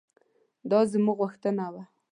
دا زموږ غوښتنه وه.